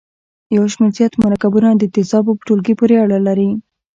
یو شمیر زیات مرکبونه د تیزابو په ټولګي پورې اړه لري.